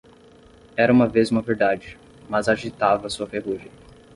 Era uma vez uma verdade, mas agitava sua ferrugem.